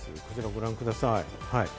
ご覧ください。